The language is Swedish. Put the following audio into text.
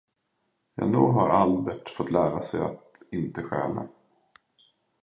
Ja, nog har Albert fått lära sig att inte stjäla.